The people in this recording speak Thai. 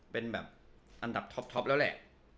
เป็นแบบอันดับท็อปแล้วแหละ